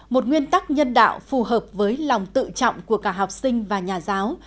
một nguyên tắc nhân đạo phù hợp với lòng tự trọng của cả học sinh và nhà giáo